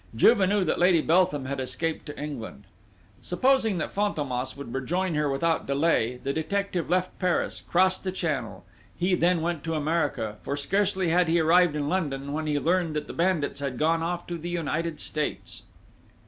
Juve knew that Lady Beltham had escaped to England. Supposing that Fantômas would rejoin her without delay, the detective left Paris, crossed the Channel. He then went to America. For scarcely had he arrived in London when he learned that the bandits had gone off to the United States.